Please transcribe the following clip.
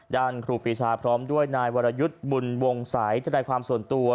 ครูปีชาพร้อมด้วยนายวรยุทธ์บุญวงศัยธนายความส่วนตัว